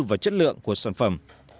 vào chất lượng của sản phẩm